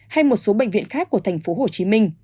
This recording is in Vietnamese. hay một số bệnh viện khác của thành phố hồ chí minh